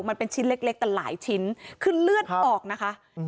มันเป็นชิ้นเล็กแต่หลายชิ้นคือเลือดออกนะคะ